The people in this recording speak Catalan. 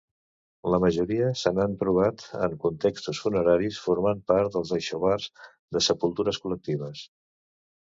La majoria se n'han trobat en contextos funeraris, formant part dels aixovars de sepultures col·lectives.